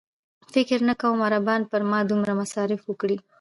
فکر نه کوم عربان پر ما دومره مصارف وکړي.